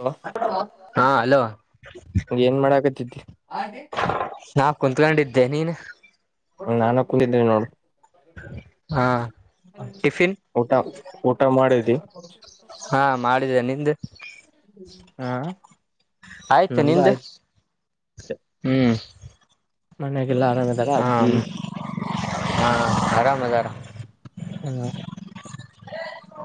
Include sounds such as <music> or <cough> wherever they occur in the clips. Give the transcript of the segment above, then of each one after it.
Hello ಹಾ hello. ಏನ್ ಮಾಡಾಕತ್ತಿದ್ದಿ ನಾ ಕುಂತ್ಕಂಡಿದ್ದೆ ನೀನು. ನಾಾನು ಕುಂತಿದೆ ನೋಡು. ಹಾ. ಟಿಫಿನ್ ಊಟ ಊಟ ಮಾಡಿದಿ. ಹಾ ಮಾಡಿದ್ದೇ ನಿಂದು. ಹಾ ಆಯ್ತು ನಂದು ನಿಂದು ಆಯ್. ಹ್ಮ್. ಮನೆಗೆಲ್ಲ ಆರಾಮದರ ಹಾ ಅಜ್ಜಿ. ಹಾ ಆರಾಮದರ. ಹಾ.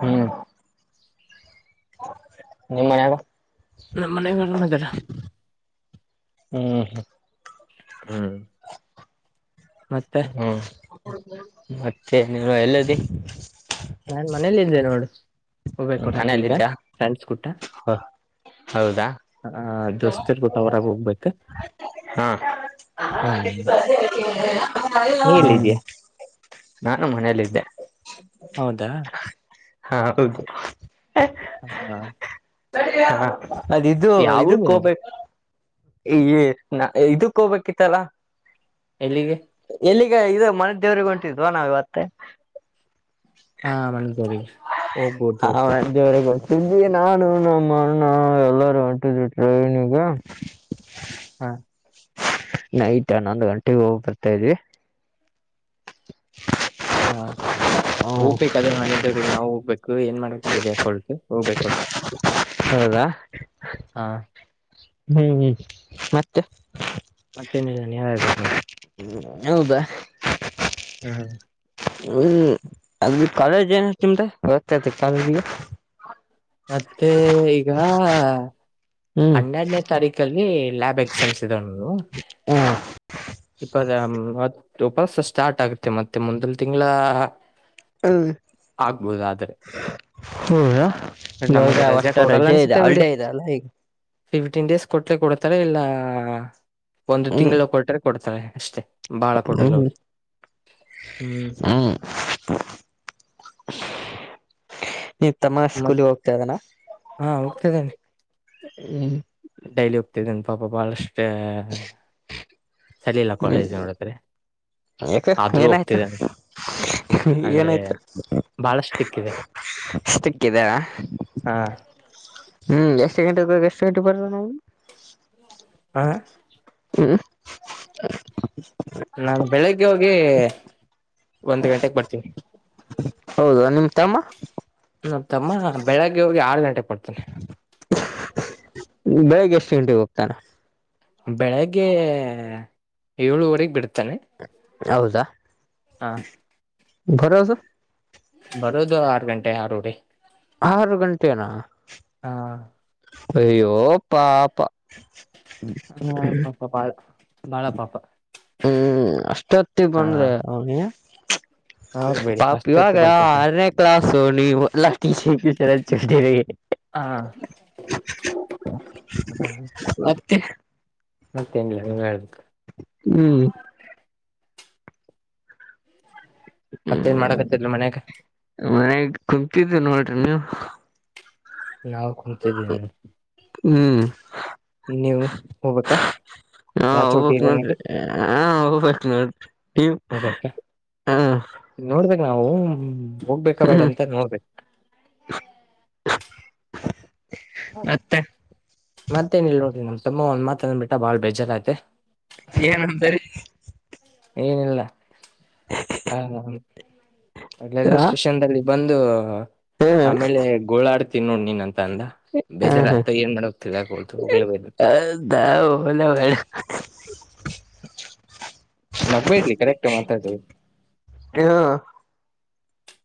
ಹ್ಮ್. ನಿಮ್ಮ್ ಮನೆಗ. ನಮ್ಮನೆಗೂ ಆರಾಮದರ. ಹ್ಮ. ಹ್ಮ. ಹ್ಮ್ ಮತ್ತೆ ನೀವು ಎಲ್ಲದಿ. ನಾನ್ ಮನೇಲಿದ್ದೆ ನೋಡು. ಮನೇಲ್ಲಿದ್ದ ಹೌದಾ ಹ ಜೊಸ್ತಿ ಪುಟ್ಟ ಹೊರಾಗೊಗ್ಬೇಕಾ. ಹಾ. ನೀ ಹ್ಮ್ ಎಲ್ಲಿದ್ಯಾ ನಾನು ಮನೆಲ್ಲಿದ್ದೆ. ಹೌದಾ. ಹಾ. <unintelligible> ಹಬ್ಬ. ಹ ಹಾದಿದು ಯಾವ ಊರು ಇದುಕ್ ನಿಮ್ದು ಹೊಬೇಕ್. ನ ಇದುಕ್ ಹೋಗ್ಬೇಕಿತ್ತಲ. ಎಲ್ಲಿಗೆ. ಎಲ್ಲಿಗೆ ಇದು ಮನ್ದೇವ್ರಿಗೊಂಟಿದ್ವ ನಾವ್ ಇವತ್ತು. ಹಾ ಮನ್ದೇವ್ರಿಗೆ ಹೋಗ್ಬೋದುತ್ತು. ಮನ್ದೇವ್ರಿಗೆ ಇಲ್ಲಿ ನಾನು ನಮಣ್ಣ ಎಲ್ಲಾರೂ ಒಂಟಿದ್ವಿ ಟ್ರೈನಿಗೆ. ಹಾ. ನೈಟ್ ಹನ್ನೊಂದ್ಗಂಟ್ಟಿಗ್ ಹೋಗ್ಬರ್ತಾವಿ. <inaudible> ಹಾ ಹ್ಮ್ ಹೋಗ್ಬೇಕದ್ರೆ ಮನೆದೇವ್ರಿಗೆ ನಾವು ಹೋಗ್ಬೇಕು ಏನ್ ಮಾಡ್ಬೇಕು ತಿಳಿಯಕೊಲ್ದು ಹೋಗ್ಬೇಕೊಟ್ಟು. ಹೌದಾ. ಹಾ. ಹ್ಮ್ ಹ್ಮ್ ಮತ್ತೆ. ಮತ್ತೇನಿಲ್ಲಾ ನೀವೇ ಹೇಳ್ಬೇಕ್ ನೋಡ್. ಹ್ಮ್ ಹೌದಾ. ಹಾ ಹ. ಹ್ಮ ಅದು ಕಾಲೇಜ್ ಏನತ ನಿಮ್ದ ಒತ್ತಾದಿ ಕಾಲೇಜ್ಗೆ. ಮತ್ತೆ ಈಗ ಹ್ಮ್ ಹನ್ನೆರ್ಡನೇ ತಾರೀಕಲ್ಲಿ. ಲ್ಯಾಬ್ ಎಕ್ಸಾಮ್ಸ್ ಹ್ಮ್ <inaudible> ಹತ್ತು ಉಪಾಸ ಸ್ಟಾರ್ಟ್ ಆಗುತ್ತೆ ಮತ್ತೆ ಮುಂದಿನ್ ತಿಂಗ್ಳ. ಹ್ಮ್ಮ್. ಆಗ್ಬೋದ್ ಆದ್ರೆ. ಹ್ಮ ಇವಾಗ ನಮಗೆ ರಜೆ ಒಟ್ಟು ಕೊಡಲ್ಲ ರಜ ಇದೆ ಅನ್ಸುತ್ತೆ ಬಿಡಿ ಹಲ್ಡೇ ಇದೆ ಅಲ್ಲಾ ಈಗ. ಫಿಫ್ಟೀನ್ ಡೇಸ್ ಕೊಟ್ರೆ ಕೊಡ್ತಾರೆ ಇಲ್ಲ ಒಂದು ತಿಂಗ್ಳು ಕೊಟ್ರೆ ಕೊಡ್ತಾರೆ ಅಷ್ಟೆ. ಹ್ಮ ಹ್ಮ್. <inaudible> ನೀ ತಮ್ಮ ಮತ್ ಸ್ಕೂಲಿಗ್ ಹೋಗ್ತಾ ಇದನ ಹಾ ಹೋಗ್ತಿದ್ದೇನೆ ಹ್ಮ್. ಡೈಲಿ ಹೋಗ್ತಿದ್ದನ್ ಪಾಪ ಬಳಷ್ಟ. ಸರಿ ಇಲ್ಲ ಕಾಲೇಜ್ ನೋಡದ್ರೆ. ಯಾಕೆ ಏನಾಯ್ತು. ಅಂದ್ರೆ ಏನಾಯ್ತ ಬಹಳಷ್ಟು ಸಿಕ್ಕಿದೆ ಸ್ಟಿಕಿದೆ. ಹಾ. ಹ್ಮ್ ಎಷ್ಟ್ ಗಂಟೆೆಗೊಗ್ ಎಷ್ಟ್ ಗಂಟೆಗ್ ಬರೋನಣ ಅವ್ನು. ಹಾ. ಹ್ಮ್. ನಾನ್ ಬೆಳಿಗ್ಗೆ ಹೋಗಿ ಒಂದ್ ಗಂಟೆಗ್ ಬರ್ತೀನಿ. ಹೌದ ನಿಮ್ ತಮ್ಮ. ನಮ್ ತಮ್ಮ ಬೆಳಿಗ್ಗೆ ಹೋಗಿ ಆರ್ ಗಂಟೆಗ್ ಬರ್ತಾನೆ. ಬೆಳಿಗ್ಗೆ ಎಷ್ಟ್ ಗಂಟೆಗ್ ಹೋಗ್ತಾನೆ. ಬೆಳಿಗ್ಗೆ ಏಳುವರಿಗ್ ಬಿಡ್ತಾನೆ. ಹೌದಾ. ಹಾ. ಬರೋದು. ಬರೋದು ಆರ್ಗಂಟೆ ಆರೂವರಿ. ಆರು ಗಂಟೆನಾ. ಹಾ. ಅಯ್ಯೋ ಪಾಪಾ. ಹಾ ಪಾಪ ಬಾಳ ಬಾಳ ಪಾಪ. ಹ್ಮ್ ಅಷ್ಟೊತ್ತಿಗ್ ಬಂದ್ರೆ ಅವ್ನಿ. ಹೌದು. ಪಾಪ್ ಇವಾಗ ಆರ್ನೆ ಕ್ಲಾಸು ನೀವ್ ಎಲ್ಲಾ. <unintelligible> ಹಾ. ತೆ. ಮತ್ತೇನ್ಲಾ ನೀನ ಹೇಳ್ಬೇಕ. ಹ್ಮ್. ಮತ್ತೇನ್ ಮಾಡಕತರ್ಲೆ ಮನೆಗಾ. ಮನೇಗ್ ಕುಂತಿದೆ ನೋಡ್ರಿ ನೀವ್. ನಾವ್ ಕುಂತಿದಿನಿ. ಹ್ಮ್. ನೀವು ಹೋಗ್ಬೇಕಾ. ಹಾ ರಾಚೋಟಿ ಹೋಬಕ್ ಇರನಿಗೆ ನೋಡ್ರಿ ಹಾ ಹೋಬಕ್ ನೋಡ್ರಿ ಟಿವ್. ಹೋಗ್ಬೇಕಾ ಹಾ. ನೋಡ್ಬೇಕ್ ನಾವು ಹೋಗ್ಬೇಕ ಬೇಡ ಹ್ಮ್ ಅಂತ ನೋಡ್ಬೇಕ್. ಮತ್ತೆ ಮತ್ತೇನ್ ಹೇಳೋದ್ರಿ ನಮ್ ತಮ್ಮ ಒಂದ್ ಮಾತ್ ಅಂದ್ಬಿಟ್ಟ ಬಾಳ್ ಬೇಜಾರಯ್ತ. ಏನಂದರಿ. ಏನಿಲ್ಲ ಹ ರೈಲ್ವೆ ಹ ಸ್ಟೇಷನಲ್ಲಿ. ಬಂದು ಹ್ಮ್ ಆಮೇಲೆ ಗೋಳಡ್ತೀ ನೋಡ್ ನೀನ್ ಅಂತ ಅಂದ. ಹ್ಮ್ ಬೇಜಾರತ್ತು ಏನ್ ಮಾಡಕ್ ತಿಳಿಯಕೊಲ್ದು ಹೋಗ್ಲೇ <inaudible> ನಾಗ್ಬೇಡ್ರಿ ಕರೆಕ್ಟ ಮಾತಾ ಅದು ಹ್ಮ್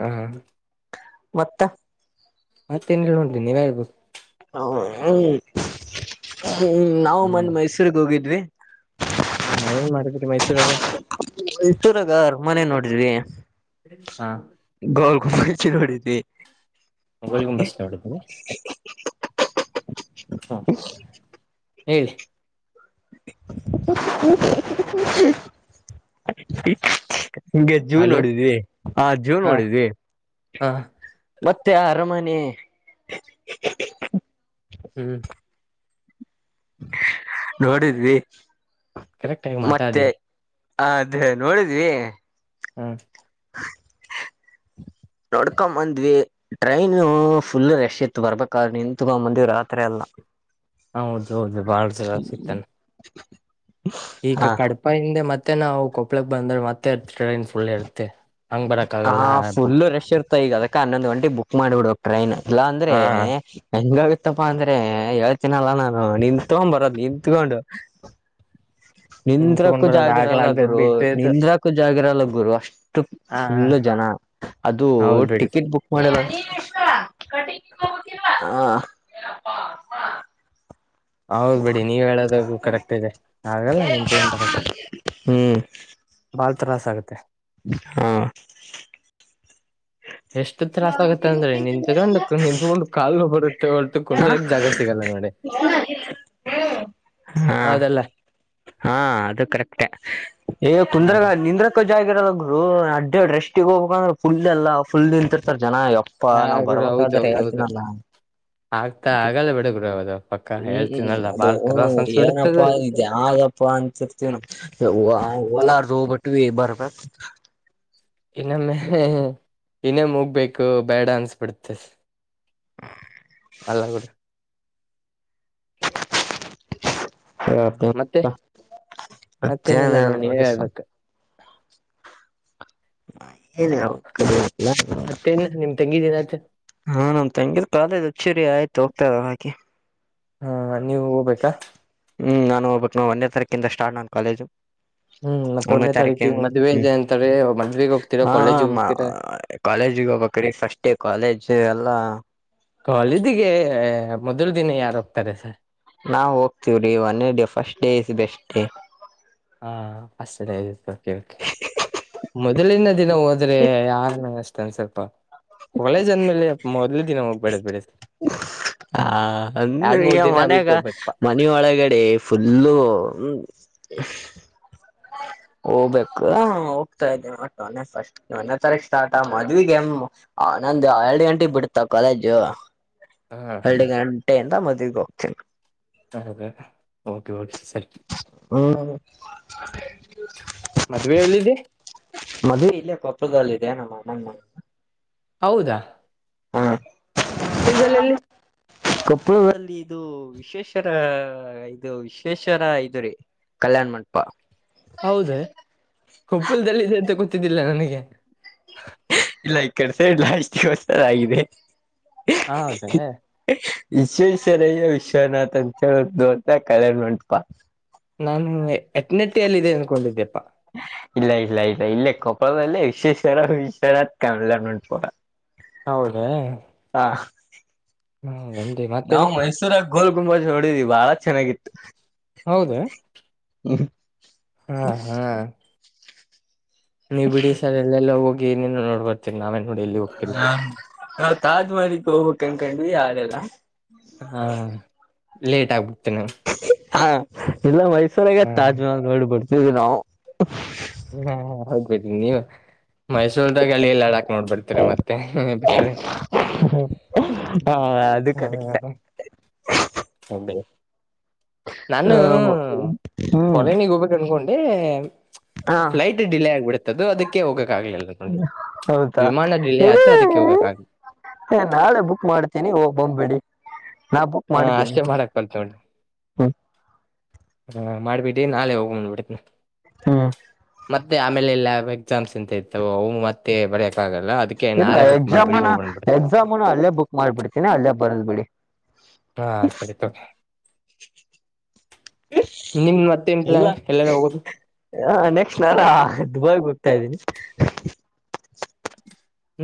ಹ ಹ. ಮತ್ತ. ಮತ್ತೇನ್ ಹೇಳೊನ್ರಿ ನೀವ ಹೇಳ್ಬಕ್. ಹ ನಾವು ಮೊನ್ ಹ್ಮ್ ಮೈಸೂರಿಗ್ ಹೋಗಿದ್ವಿ. ಹಾ ಹ ಏನ್ ಮಾಡಿದ್ರಿ ಮೈಸೂರಾಗ. ಮೈಸೂರಗ ಅರ್ಮನೆ ನೋಡಿದ್ವಿ. ಹಾ. ಗೊಲ್ಗುಬಸ್ ನೋಡಿದ್ವಿ. ಗೋಲ್ಗುಂಬಸ್ ನೋಡಿದ್ನಿ. ಹಾ ಹೇಳಿ. <inaudible> ಅಂಗೆ ಜೂ ಹಲೋ ನೋಡಿದ್ವಿ ಆ ಜೂ ಹಾ ನೋಡಿದ್ವಿ. ಹಾ. ಮತ್ತೆ ಅರಮನಿ. <inaudible> ಹ್ಮ್. <inaudible> ನೋಡಿದ್ವಿ ಕರೆಕ್ಟ್ ಆಗಿ ಮತ್ತೆ ಮಾತಾಡಿ ಅದೆ ನೋಡಿದ್ವಿ. ಹ್ಮ್. <inaudible> ಹೊಡ್ಕೊಂಬಂದ್ವಿ ಟ್ರೈನು ಫುಲ್ ರಶ್ ಇತ್ತು ಬರ್ಬೇಕಾದ್ರೆ ನಿತ್ಕೊಂಬಂದ್ವಿ ರಾತ್ರಿ ಎಲ್ಲ. ಹೌದು ಹೌದು ಬಾಳ ಸರ ಸಿಗ್ತಾನೆ. <inaudible> ಈಗ ಹಾ ಕಡಪ ಹಿಂದೆ ಮತ್ತೆ ನಾವು ಕೊಪ್ಪಳಕ್ ಬಂದ್ರೆ ಮತ್ತೆ ಟ್ರೈನ್ ಫುಲ್ ಇರ್ತೆ. ಹಂಗ್ಬರಕ್ಕಾಗಲ್ಲ ಹಾ ಫುಲ್ ರಶ್ ಇರ್ತ ಈಗ ಅದಕ್ಕೆ ಹನ್ನೊಂದ್ ಗಂಟೆಕ ಬುಕ್ ಮಾಡಿಬಿಡ್ಬೇಕ್ ಟ್ರೈನ್ ಇಲ್ಲ ಅಂದ್ರೆ. ಹಾ ಹೆಂಗಾಗತ್ತಪ್ಪಾ ಅಂದ್ರೆ ಹೇಳ್ತಿನಲ್ಲ ನಾನು ನಿಂತ್ಕೊ ಬರೋದ್ ನಿತ್ಕೊಂಡು. ಹ್ಮ್ ತಗೊಂಡ್ ನಿಂದ್ರಕ್ಕೂ ಬರೋದ ಜಾಗಿರಲ್ಲ ಆಗ್ಲಾರ್ದದ್ ಗುರು ಬಿಟ್ಟಿದ್ದು ನಿಂದ್ರ ಕು ಜಾಗರಲ್ಲ ಗುರು ಅಷ್ಟು ಹ ಫುಲ್ ಜನ ಅದು ಹೌದ್ ಬಿಡಿ ಟಿಕೆಟ್ ಬುಕ್ ಒ <unintelligible> ಹ ಹ <unintelligible> ಹ ಹೌದ್ಬಿಡಿ ನೀವ್ ಹೇಳದೂ ಕರೆಕ್ಟ್ ಇದೆ ಆಗಲ್ಲ ನೀನ್ತಗೊಂಡ್ ಬರಾಕ್. ಹ್ಮ್ ಬಾಳ್ ತ್ರಾಸ್ ಆಗುತೆ. ಹಾ <inaudible> ಎಷ್ಟು ತ್ರಾಸ್ ಆಗುತ್ತೆ ಅಂದ್ರೆ ನಿಂತ್ಗೊಂಡ ನಿಂತ್ಕೊಂಡು ಕಾಲು ನೊವ್ ಬರುತ್ತೆ ಹೊರ್ತು ಕುಂದ್ರಾಕ ಜಾಗ ಸಿಗಲ್ಲ ನೋಡಿ. ಹೆಳ ಹ್ಮ್. ಹ ಹೌದಲ್ಲ ಹಾ ಅದು ಕರೆಕ್ಟೆ ಹ ಕುಂದ್ರಗ ನಿಂದ್ರ ಕ ಜಾಗಿರಲ್ಲಗುರು ಅಡ್ಡ್ಯಾಡ್ ರೆಸ್ಟಿಗೆ ಹೋಗ್ಬೇಕಂದ್ರ ಫುಲ್ ಎಲ್ಲ ಫುಲ್ ನಿಂತಿರ್ತಾರೆ ಜನ ಯಾ ಪ್ಪಾ ಹಾ ನಾವ್ ಗುರು ಹೌದ ಬರ್ಬೇಕಾದ್ರೆ ಹೌದೌದು ಹೇಳ್ತೀನಲ್ಲ. ಆಗ್ತಾ ಆಗಲ್ಲೇ ಬಿಡಗುರು ಅದು ಪಕ್ಕಾ ಹ್ಮ್ ಹೇಳ್ತನಲ್ಲ ಬಾಳ್ ತ್ರಾಸ ಅನಿಸ್ಬಿಡುತ್ತದ. ಜಾಗಪ್ಪ ಅಂತಿರ್ತವಿ ನಾವ್ ಯವ್ವಾ ಹೋಲಾರ್ದ ಹೋಬಿಟ್ವಿ ಬರ್ಬೇಕ ಇನ್ನೊಮ್ಮೆ ಹೆ ಹೆ ಇನ್ನೇಮೊಗ್ಬೇಕು ಬೇಡ ಅನ್ಸ್ಬಿಡುತ್ತೆ. ಅಲ್ಲ ಗುರು. ಹ ಹೇಳಪ ಮತ್ತೆ ಮತ್ತ. ಮತ್ತೇನಿಲ್ಲ ನೋಡಿ ನೀವೇ ಮತ್ತೇನ್ಹೇಳ್ಬೇಕ ಅಷ್ಟ. ಹೇಳ್ಬೇಕು ಮತ್ತೇನ್ ನಿಮ್ ತಂಗಿದಿನ ಆಚರಣೆ <unintelligible> ಹಾ ನಮ್ ತಂಗಿದ ಕಾಲೇಜ್ ಹಚ್ಚೀರಿ ಆಯ್ತು ಹೋಗ್ತಾಯಿದಳ ಆಕಿ. ಹಾ ನೀವು ಹೋಗ್ಬೇಕಾ. ಹ್ಮ್ ನಾನು ಹೋಗ್ಬೇಕ್ ಒಂದ್ನೇ ತಾರೀಕಿಂದ ಸ್ಟಾರ್ಟ್ ನನ್ ಕಾಲೇಜು. ಹ್ಮ್ ಮತ್ತ ಒಂದನೇ ತಾರೀಕಿಗೆ ತಾರಿಖಿಂದ್ ಮದ್ವೆ ಹ್ಮ ಇದೆ ಅಂತಾರೆ ಮದ್ವೆಗ್ ಹೋಗ್ತೀರಾ ಆ ಹಾ ಕಾಲೇಜಿಗೆ ಮಾ ಹೋಗ್ತೀರಾ ಕಾಲೇಜಿಗೆ ಹೋಗ್ಬೇಕ್ ರೀ ಫಸ್ಟ್ ಡೇ ಕಾಲೇಜ್ ಎಲ್ಲ. ಕಾಲೇಜಿಗೆ ಮೊದ್ಲು ದಿನ ಯಾರು ಹೋಗ್ತಾರೆ ಸರ್‌. ನಾವು ಹೋಗ್ತೀವ್ರೀ ಒನ್ನೆ day first day is best day. ಹಾ ಫಸ್ಟ್ ಡೇ ಇತ್ತು. ಯಾಕೆ ಮೊದಲಿನ ದಿನ ಹೋದ್ರೆ ಯಾರ್ನಂಗಷ್ಟ ಅನ್ಸಲ್ಪ. ಕಾಲೇಜ್ ಅಂದ್ಮೇಲೆ ಮೊದ್ಲೇನೆ ದಿನ ಹೋಗಬೇಡಿ ಬಿಡಿ ಸರ್. ಹಾ ಅಂದ್ರ ಎರಡ್ ಮೂರ್ ಈಗ ದಿನ ಮನ್ಯಾಗ ಬಿಟ್ಟು ಹೋಗ್ಬೇಕಪ್ಪಾ ನೀ ಒಳಗಡೆ ಫುಲ್ಲು ಹ್ಮ್ ಹ. ಹೋಗ್ಬೇಕು ಹೋಗ್ತಾ ಇದೇನೆ ಬಟ್ ನಾನೆ ಫಸ್ಟ್. ಒಂನ್ನೇ ತಾರೀಕ ಸ್ಟಾರ್ಟ ಮದ್ವಿಗ್ಗೆ ನಂದು ಎರಡು ಗಂಟೆಗೆ ಬಿಡತ ಕಾಲೇಜು. ಹಾ ಎರಡ್ ಗಂಟೆಯಿಂದ ಮದುವಿಗ್ ಹೋಗ್ತೀನಿ. ಹೌದ ಓಕೆ ಓಕೆ ಸರಿ. ಹ್ಮ ಮದ್ವೆ ಎಲ್ಲಿದೆ. ಮದವೆ ಇಲ್ಲೇ ಕೊಪ್ಪಳದಲ್ಲಿ ಇದೆ ನಮ್ಮ ಅಣ್ಣನ ಮನೆ ಹೌದಾ. ಹ್ಹಾ <inaudible> ಪುಳ್ದಲ್ಲೆಲ್ಲಿ. ಕೊಪ್ಪಳದಲ್ಲಿ ಇದು ವಿಶೇಷರ ಇದು ವಿಶ್ವೇಷರ ಇದು ರೀ ಕಲ್ಯಾಣ್ ಮಂಟಪ. ಹೌದ ಕೊಪ್ಪಳ್ದಲ್ಲಿ ಇದೆ ಅಂತ ಗೊತ್ತಿದ್ದಿಲ್ಲ ನನಿಗೆ. ಹ್ ಇಲ್ಲ ಈ ಕಡೆಸೆೈಡ್ ಅಷ್ಟುವಸ್ತ ಆಗಿದೆ. ಹೌದ. ವಿಶ್ವೇಶ್ವರಯ್ಯ ವಿಶ್ವನಾಥನ್ ಅಂತ ದೊಡ್ಡ ಕಲ್ಯಾಣ ಮಂಟಪ. ನಾನು ಎತ್ನಿಟ್ಟಿಯಲ್ಲಿ ಇದೆ ಅನ್ಕೊಂಡಿದ್ದೆಪ್ಪಾ. ಇಲ್ಲ ಇಲ್ಲ ಇಲ್ಲ ಇಲ್ಲ ಇಲ್ಲೆ ಕೊಪ್ಪಲದಲ್ಲೆ ವಿಶ್ವೇಶ್ವರ ವಿಶ್ವಾನಾಥ ಕಲ್ಯಾಣ ಮಂಟಪ. ಹೌದ. ಹಾ ನಂದಿ ಮತ್ತೆ ರೀ ನಾವು ಮೈಸೂರಾಗ ಗೋಲ್ಗುಂಬಜ್ ನೋಡಿದ್ವಿ ಬಾಳ ಚೆನ್ನಾಗಿತ್ತು. ಹೌದ. ಹ್ಮ ಹಾ ಹಾ ನೀವ್ ಬಿಡಿ ಸರ್ ಎಲ್ಲ್ ಎಲ್ಲೊ ಹೋಗಿ ಏನೇನೋ ನೋಡ್ಬರತೀರ ನಾವೇ ನೋಡಿಲ್ಲ ಹಾ ನಾವ್ ತಾಜ್ಮಹಲ್ ಗ್ ಹೋಗಬೇಕು ಅನ್ಕಂಡ್ವಿ ಆಲಿಲ್ಲ. ಹಾ ಲೇಟ್ ಆಗ್ಬಿಡ್ತೇನೆ. ಹಿ ಹಿ ಹ ಇಲ್ಲ ಮೈಸೂರಾಗ ಹ ತಾಜ್ಮಹಲ್ ನೋಡ್ಬಡ್ತಿದ್ವಿ ನಾವು. ಹ ಹ ಹೋಗ್ಬೇಕ ನೀವ. ಮೈಸೂರ್ದಾಗ ಅಲ್ಲಿ ಲಡಾಕ್ ನೋಡ್ಬರ್ತಿರ ಮತ್ತೆ ಬಿಟ್ರೆ. ಅಹ್ ಹ್ಹಾ ಅದು ಕರೆಕ್ಟೆ. ಹೋಗ್ಬೇಡಿ ನಾನು ಹ್ಮ್ ಫರೇನಿಗೆ ಹೋಗ್ಬೇಕ ಅನ್ಕೊಂಡೆ ಹಾ ಫ್ಲೈಟ್ ಡಿಲೇ ಆಗ್ಬಿಡ್ತದು ಅದಕ್ಕೆ ಹೋಗಕ್ಕಾಗ್ಲಿಲ್ಲದು. ವಿಮಾನ ಡಿಲೇ ಆತು ಅದಕ್ಕೆ ಹೋಗಕಾಗ ಏ ನಾಳೆ ಬುಕ್ ಮಾಡ್ತೀನಿ ಹೊಗ್ಬಂದ್ಬಿಡಿ ನಾ ಬುಕ್ ಹಾ ಮಾಡ್ತೀನಿ ಅಷ್ಟೇ ಮಾಡಕಂತೊಗೊಳಿ. ಹ್ಮ್ ಹಾ ಮಾಡಬಿಡಿ ನಾಳೆ ಹೋಗ್ ಬಿಂದಬಿಡ್ತಿನಿ. ಹ್ಮ ಮತ್ತೆ ಆಮೇಲೆ ಲ್ಯಾಬ್ ಎಕ್ಸಾಮ್ಸ್ ಅಂತ ಇರ್ತಾವು ಅವು ಮತ್ತೆ ಬರೆಯಕ್ಕಾಗಲ್ಲ ಅದಕ್ಕೆ ಇಲ್ಲಾ ನಾಳೆ ಬುಕ್ ಮಾಡ್ಬಿಡಿ ಎಕ್ಸಾಮನ ಹೋಗ್ ಬಂದ್ಬಿಡಿ ಎಕ್ಸಾಮನ ಅಲ್ಲೇ ಬುಕ್ ಮಾಡ್ಬಿಡ್ತೀನಿ ಅಲ್ಲೇ ಬರ್ದ್ ಬಿಡಿ. ಹಾ ಸರಿ ತೊ. ನಿಮ್ ಮತ್ತೇನ್ ಪ್ಲಾನ್ ಎಲ್ಲನ ಹೋಗೋದು. ಹ ನೆಕ್ಸ್ಟ್ ನಾನ ದುಬಾಯಿಗಿ ಹೋಗ್ತಾ ಇದಿನಿ.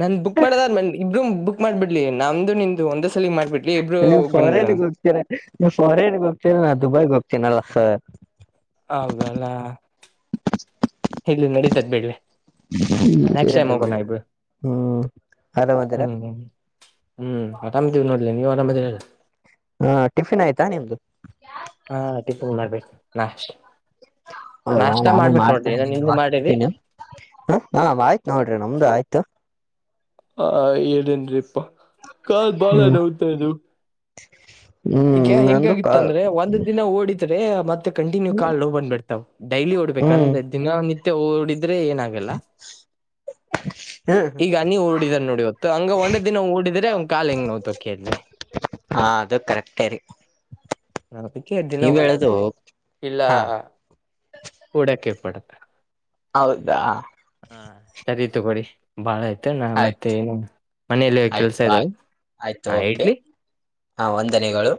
ನನ್ ಬುಕ್ ಮಾಡೋದಾದ್ ಇಬ್ರು ಬುಕ್ ಮಾಡ್ಬಿಡ್ಲಿ ನಮ್ದು ನಿುಮ್ದು ಒಂದೆ ಸಲಗ್ ಮಾಡ್ಬಿಡ್ಲಿ ಇಬ್ರು ಹೋಗ್ಬಂದ್ಬಿಡೋಣ. <unintelligible> ಫಾರೇನ್ಗೆ ಹೋಗ್ತೀಲ್ಲ ನಾನ್ ದುಬೈಗೆ ಹೋಗ್ತೀನಲ್ಲ ಸರ್. ಹೌದಲ್ಲ. <inaudible> ಇಲ್ಲಿ ನಡೀತದೆ ಬಿಡ್ರಿ. ನೆಕ್ಸ್ಟ್ ಟೈಮ್ ಇರ್ಲಿ ಹೋಗೋಣ ಬಿಡಿ ನಾವಿಬ್ರು ಹ್ಮ್ ಹ್ಮ ಆರಾಮದೀರಾ ಹ್ಮ. ಹ್ಞೂ ಆರಾಮದಿವಿ ನೋಡರಿ ನೀವು ಆರಾಮದೀರಲ. ಹಾ ಟಿಫಿನ್ ಆಯ್ತಾ ನಿಮ್ದು. ಹಾ ಟಿಫನ್ ಮಾಡ್ಬೇಕು ನಾಷ್ಟಾ ಹೌದ ನಾನು ಮಾಡ್ತಾ ಇದ್ದೀನಿ ನಿಮ್ದು ಇವಾಗ ಮಾಡಿರಿ ಟಿಫಿನ್. ಹ್ ಹ ಆಯ್ತ್ ನೋಡ್ರಿ ನಮ್ದು ಆಯ್ತು. ಹಾ ಹೇಳೇನ್ರಿಪ್ಪಾ ಕಾಲ್ ಬಾಳ ಹ್ಮ್ ನೊಯ್ತಾ ಇದಾವು. ಹ್ಮ್ ಈಗೆ ನಂದು ಕಾ ಹೆಂಗಾಗಿತ್ತಂದ್ರೆ ಒಂದ್ ದಿನ ಓಡಿದ್ ರೆ ಮತ್ತೆ ಕಂಟಿನ್ಯೂ ಕಾಲ್ ನೋವು ಬಂದ್ ಬಿಡ್ತಾವ್ ಡೈಲಿ ಓಡ್ಬೇಕ ಹ್ಮ್ ಅಂದ್ರೆ ದಿನ ನಿತ್ಯ ಓಡಿದ್ರೆ ಏನಾಗ ಗಲ್ಲ. ಈಗ ನೀ ಓಡಿದ್ರಿ ನೋಡಿ ಇವತ್ತು ಹಂಗ ಒಂದೇ ದಿನ ಊಡಿದ್ರೆ ಕಾಲ್ ಹೆಂಗ ನೋವ್ತವ್ ಕೇಳ್ರಿ. ಹಾ ಅದು ಕರೆಕ್ಟೇ ರೀ. ನೆನಪಕ್ಕೆ ದಿನ ನೀವ್ ಹೇಳುದು ಹೊಡ್ಬೇಕು ಇಲ್ಲ ಹಾ ಓಡಕ್ಕೆಪಾಡ. ಹೌದಾ. ಹ್ಮ್ ಸರಿ ತಗೊಳಿ. ಬಾಳ ಐತೆ ನಾ ಮತ್ತೆ ಆಯ್ತು ಮನೆಯಲ್ಲಿ ಆಯ್ತು ಕೆಲಸ ಬಾಯ್ ಇದವು ಆಯ್ತು ಹಾ ಓಕೆ ಇಡ್ಲಿ. ಹಾ ವಂದನೆಗಳು.